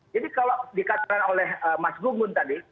jadi kalau dikatakan oleh mas gungun tadi